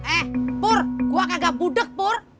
eh pur gue kagak pudek pur